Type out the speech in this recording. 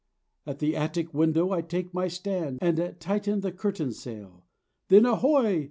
At the attic window I take my stand, And tighten the curtain sail, Then, ahoy!